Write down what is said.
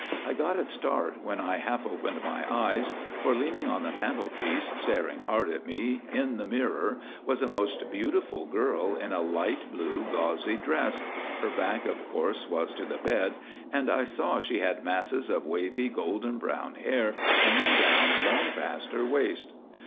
I got a start when I half opened my eyes, for leaning on the mantelpiece staring hard at me in the mirror was a most beautiful girl in a light blue gauzy dress, her back, of course, was to the bed, and I saw she had masses of wavy, golden brown hair hanging down long past her waist.